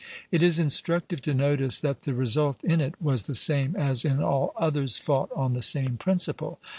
It is instructive to notice that the result in it was the same as in all others fought on the same principle.